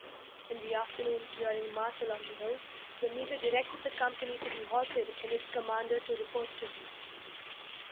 In the afternoon, during a march along the road, the Meter directed the company to be halted and its commander to report to him.